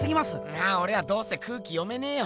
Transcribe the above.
ああおれはどうせ空気読めねぇよ。